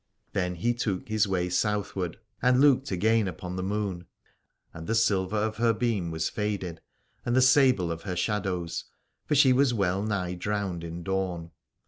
Then he took his way Southward and i8i Alad ore looked again upon the moon : and the silver of her beam was faded, and the sable of her shadows, for she was well nigh drowned in dawn.